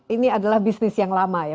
ini adalah bisnis yang lama ya